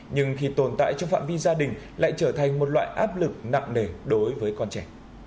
nhưng khi tồn tại trong phạm vi gia đình lại trở thành một loại áp lực nặng nề đối với con trẻ